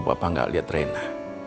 papa gak liat rena